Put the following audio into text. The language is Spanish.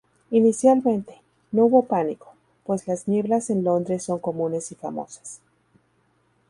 Inicialmente, no hubo pánico, pues las nieblas en Londres son comunes y famosas.